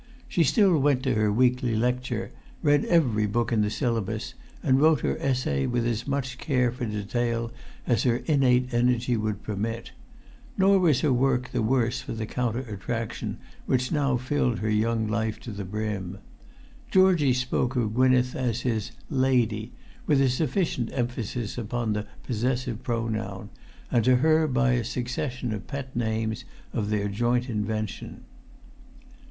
She still went to her weekly lecture, read every book in the syllabus, and wrote her essay with[Pg 256] as much care for detail as her innate energy would permit. Nor was her work the worse for the counter attraction which now filled her young life to the brim. Georgie spoke of Gwynneth as his "lady," with a sufficient emphasis upon the possessive pronoun, and to her by a succession of pet names of their joint invention.